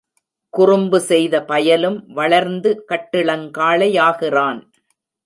குறும்பு செய்த பயலும் வளர்ந்து கட்டிளங்காளையாகிறான்.